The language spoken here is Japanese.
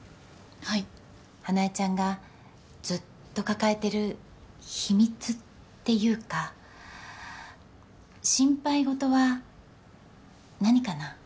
はい花枝ちゃんがずっと抱えてる秘密っていうか心配ごとは何かな？